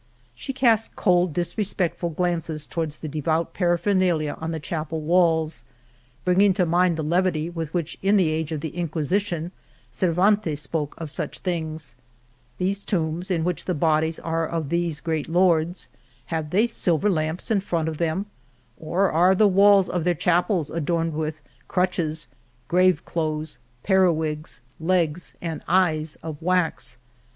She cast cold, disrespectful glances toward the devout paraphernalia on the chapel walls, bringing to mind the levity with which in the age of the Inquisition Cervantes spoke of such things :These tombs in which the bodies are of these great lords, have they sil ver lamps in front of them, or are the walls of their chapels adorned with crutches, grave clothes, periwigs, legs and eyes of wax